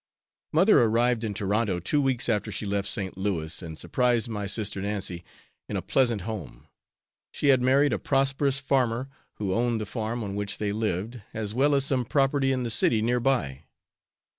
Mother arrived in Toronto two weeks after she left St. Louis, and surprised my sister Nancy, in a pleasant home. She had married a prosperous farmer, who owned the farm on which they lived, as well as some property in the city near by.